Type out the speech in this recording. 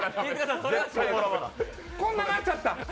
こんななっちゃった。